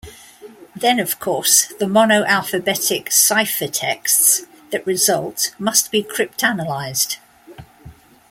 Then, of course, the monoalphabetic ciphertexts that result must be cryptanalyzed.